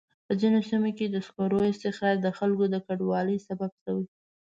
په ځینو سیمو کې د سکرو استخراج د خلکو د کډوالۍ سبب شوی.